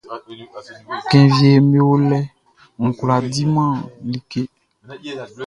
Cɛn wieʼm be o lɛʼn, n kwlá diman like.